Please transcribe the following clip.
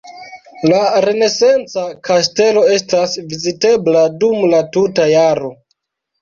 La renesanca kastelo estas vizitebla dum la tuta jaro.